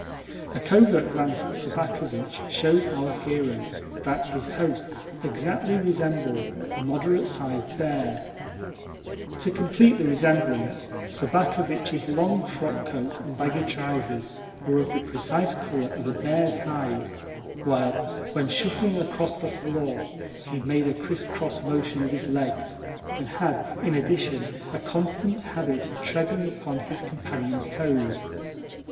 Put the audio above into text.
A covert glance at Sobakevitch showed our hero that his host exactly resembled a moderate sized bear. To complete the resemblance, Sobakevitch's long frockcoat and baggy trousers were of the precise colour of a bear's hide, while, when shuffling across the floor, he made a criss cross motion of the legs, and had, in addition, a constant habit of treading upon his companion's toes.